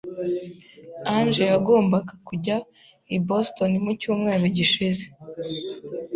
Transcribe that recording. Ange yagombaga kujya i Boston mu cyumweru gishize.